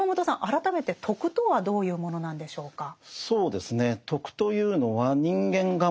改めて「徳」とはどういうものなんでしょうか？